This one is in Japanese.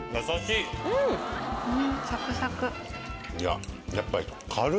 いややっぱり。